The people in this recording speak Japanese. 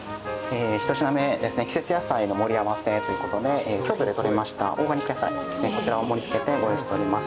１品目、季節野菜の盛り合わせということで京都で取れたオーガニック野菜、こちらを盛りつけてご用意しております。